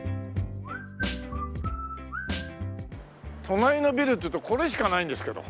隣のビルっていうとこれしかないんですけど。